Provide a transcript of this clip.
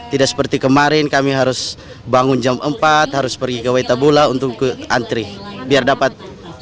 tidak seperti kemarin kami harus bangun jam empat harus pergi ke wetabula untuk antri biar dapat